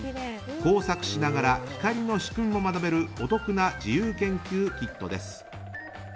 工作しながら光の仕組みも学べるお得な自由研究キットです。